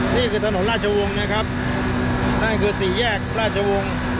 นี่คือถนนราชวงศ์นะครับนั่นคือสี่แยกราชวงศ์